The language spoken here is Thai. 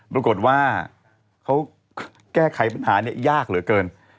ปรากฏว่าเขาแก้ไขปัญหานี้ยากเหลือเกิน